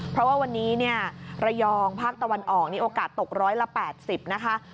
เพราะว่าวันนี้เนี่ยระยองภาคตะวันออกนี่โอกาสตกร้อยละ๘๐นะคะ